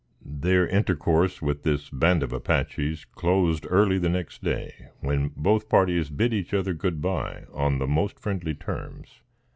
Their intercourse with this band of Apaches closed early the next day, when both parties bid each other good bye on the most friendly terms.